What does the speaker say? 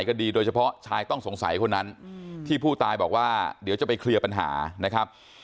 คดีโดยเฉพาะชายต้องสงสัยคนนั้นที่ผู้ตายบอกว่าเดี๋ยวจะไปเคลียร์ปัญหานะครับ